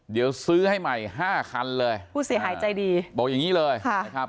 เดี๋ยวซื้อให้ใหม่ห้าคันเลยผู้เสียหายใจดีบอกอย่างงี้เลยนะครับ